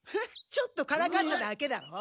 ちょっとからかっただけだろう？